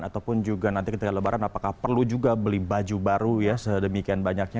ataupun juga nanti ketika lebaran apakah perlu juga beli baju baru ya sedemikian banyaknya